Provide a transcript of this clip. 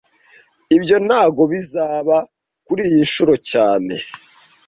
Ibyo ntago bizaba kuriyi nshuro cyane